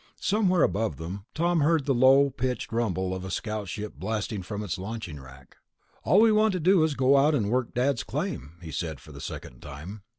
Somewhere above them, Tom could hear the low pitched rumble of a scout ship blasting from its launching rack. "All we want to do is go out and work Dad's claim," he said for the second time.